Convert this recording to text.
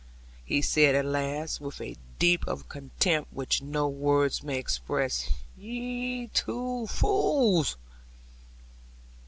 he said at last, with a depth of contempt which no words may express; 'ye two fools!'